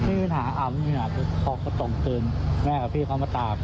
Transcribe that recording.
เอามาหยุดสินะพ่อก็ต้องเตือนแม่ของพี่เขามาตาม